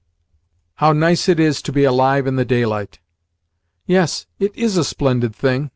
"Now nice it is to be alive in the daylight!" "Yes, it IS a splendid thing!"